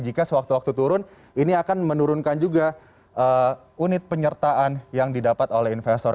jika sewaktu waktu turun ini akan menurunkan juga unit penyertaan yang didapat oleh investor